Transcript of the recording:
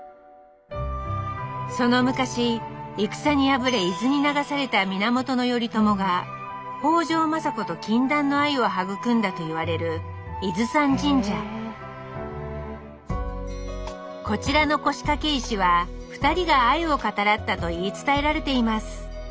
その昔戦に敗れ伊豆に流された源頼朝が北条政子と禁断の愛を育んだといわれるこちらの腰掛け石は２人が愛を語らったと言い伝えられています